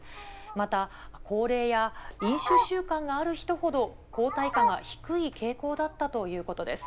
また、高齢や飲酒習慣がある人ほど、抗体価が低い傾向だったということです。